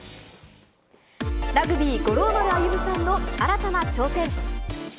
ラグビー、五郎丸歩さんの新たな挑戦。